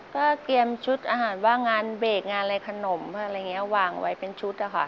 ก็เตรียมชุดอาหารว่างงานเบรกงานอะไรขนมอะไรอย่างนี้วางไว้เป็นชุดอะค่ะ